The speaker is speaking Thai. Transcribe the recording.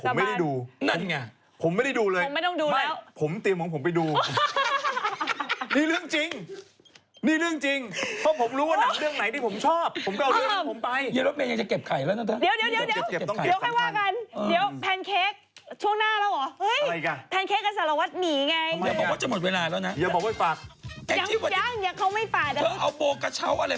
ผมไม่ได้ดูเลยไม่ผมเตรียมของผมไปดูผมไม่ต้องดูแล้วนี่เรื่องจริงนี่เรื่องจริงเพราะผมรู้ว่าหนังเรื่องไหนที่ผมชอบผมก็เอาเรื่องของผมไปเดี๋ยวเดี๋ยวจะเก็บไข่แล้วนะเธอเดี๋ยวเดี๋ยวให้ว่ากันเดี๋ยวแพนเค้กช่วงหน้าแล้วเหรอเฮ้ยแพนเค้กกับสารวัตรหนีไงอย่าบอกว่าจะหมดเวล